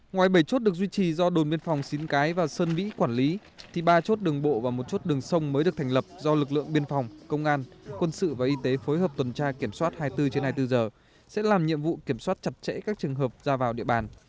ngoài bảy chốt được duy trì do đồn biên phòng xín cái và sơn mỹ quản lý thì ba chốt đường bộ và một chốt đường sông mới được thành lập do lực lượng biên phòng công an quân sự và y tế phối hợp tuần tra kiểm soát hai mươi bốn trên hai mươi bốn giờ sẽ làm nhiệm vụ kiểm soát chặt chẽ các trường hợp ra vào địa bàn